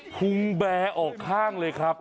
พุงแบร์ออกข้างเลยครับ